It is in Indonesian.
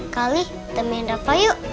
kali temenin rafa yuk